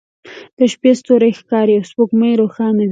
د شپې ستوری ښکاري او سپوږمۍ روښانه وي